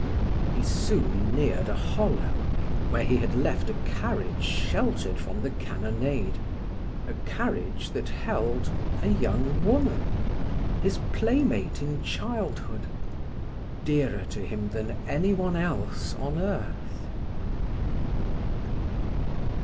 He soon neared a hollow, where he had left a carriage sheltered from the cannonade, a carriage that held a young woman, his playmate in childhood, dearer to him than any one else on earth.